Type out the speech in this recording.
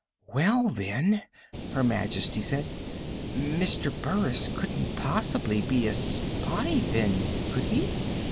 "Well, then," Her Majesty said, "Mr. Burris couldn't possibly be a spy, then, could he?